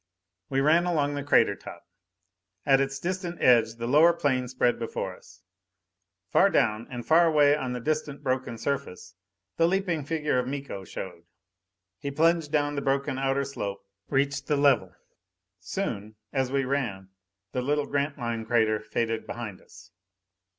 We ran along the crater top. At its distant edge the lower plain spread before us. Far down, and far away on the distant broken surface, the leaping figure of Miko showed. He plunged down the broken outer slope, reached the level. Soon, as we ran, the little Grantline crater faded behind us.